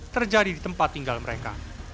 terjadi di tempat tinggal mereka